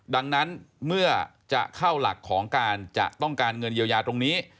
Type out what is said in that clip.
ดังนั้นเมื่อจะเข้าหลักของการจะต้องการเงินเยียวยาตรงนี้